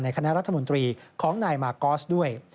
คณะรัฐมนตรีของนายมากอสด้วย